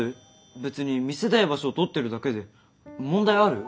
別に見せたい場所を撮ってるだけで問題ある？